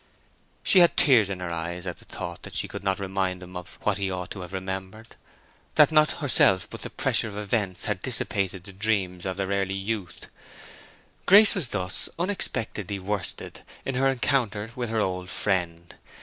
She had tears in her eyes at the thought that she could not remind him of what he ought to have remembered; that not herself but the pressure of events had dissipated the dreams of their early youth. Grace was thus unexpectedly worsted in her encounter with her old friend.